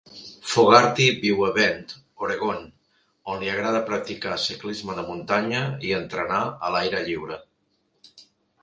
Fogarty viu a Bend, Oregon, on li agrada practicar ciclisme de muntanya i entrenar a l'aire lliure.